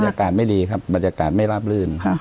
อากาศไม่ดีครับบรรยากาศไม่ราบลื่น